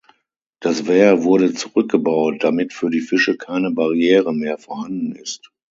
Das Wehr wurde zurückgebaut damit für die Fische keine Barriere mehr vorhanden ist.